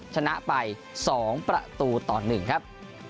ชนะไป๒ประตูต่อ๑ครับ